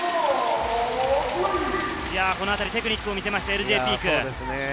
このあたり、テクニックを見せたＬＪ・ピーク。